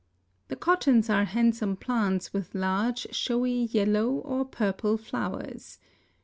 The cottons are handsome plants with large, showy yellow or purple flowers.